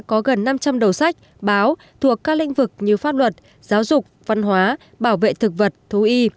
có gần năm trăm linh đầu sách báo thuộc các lĩnh vực như pháp luật giáo dục văn hóa bảo vệ thực vật thú y